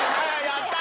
やった！